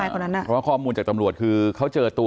เพราะข้อมูลจากตำรวจคือเขาเจอตัว